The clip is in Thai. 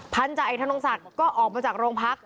พันธ์ใจไอ้ทะลงสัตว์ก็ออกมาจากโรงพัก